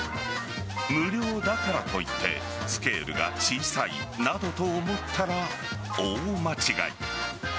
無料だからといってスケールが小さいなどと思ったら大間違い。